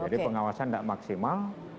jadi pengawasan nggak maksimal